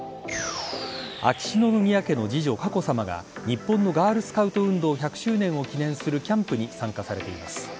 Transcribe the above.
秋篠宮家の次女・佳子さまが日本のガールスカウト運動１００周年を記念するキャンプに参加されています。